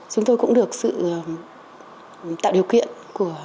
chúng tôi cũng được sự tạo điều kiện của